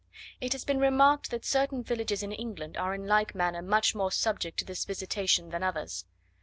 It has been remarked that certain villages in England are in like manner much more subject to this visitation than others.